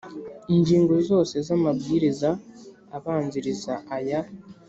Ingingo zose z amabwiriza abanziriza aya